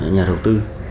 nhà đầu tư